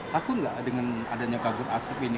takut nggak dengan adanya kabut asap ini